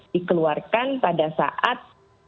dikeluarkan pada saat